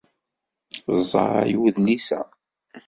Ẓẓay udlis-a.